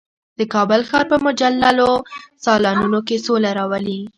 د کابل ښار په مجللو سالونونو کې سوله راولي.